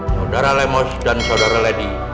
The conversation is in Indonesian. saudara lemos dan saudara lady